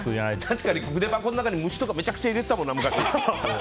確かに筆箱の中に虫とかめちゃくちゃ入れてたもんな。